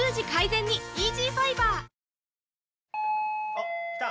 あっ来た。